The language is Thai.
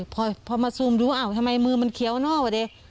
ก็เลยพอมาซูมดูอ้าวทำไมมือมันเขียวเนอะวะเนี่ย